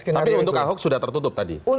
tapi untuk ahok sudah tertutup tadi